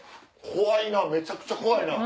怖いなめちゃくちゃ怖いな。